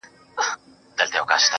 o له دغي خاوري مرغان هم ولاړل هجرت کوي.